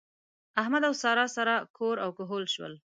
احمد او سارا سره کور او کهول شول.